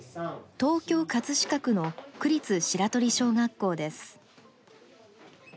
東京・葛飾区の区立白鳥小学校です。